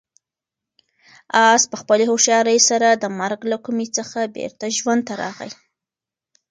آس په خپلې هوښیارۍ سره د مرګ له کومې څخه بېرته ژوند ته راغی.